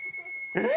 えっ！？